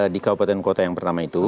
di kabupaten kota yang pertama itu